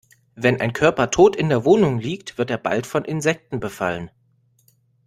Wenn ein Körper tot in der Wohnung liegt, wird er bald von Insekten befallen.